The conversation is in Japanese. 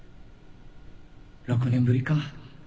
６年ぶりか。